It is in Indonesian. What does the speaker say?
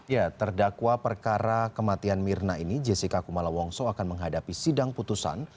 ya terdakwa perkara kematian mirna ini jessica kumala wongso akan menghadapi sidang putusan